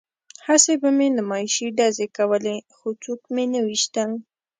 هسې به مې نمایشي ډزې کولې خو څوک مې نه ویشتل